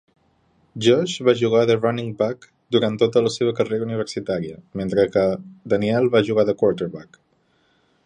Josh va jugar de "running back" durant tota la seva carrera universitària mentre que Daniel va jugar de "quarterback".